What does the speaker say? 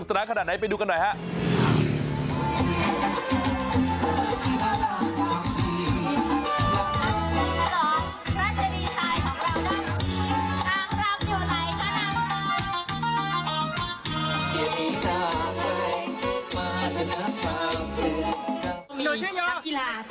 เอาเติมหนึ่งชุดใช่ไหมคะแล้วต่อดับนำเพลง